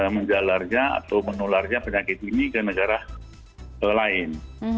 menjalarnya atau menularnya penyakit ini ke negara lain